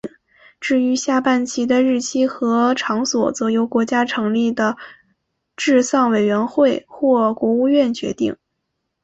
至于下半旗的日期和场所则由国家成立的治丧委员会或国务院决定。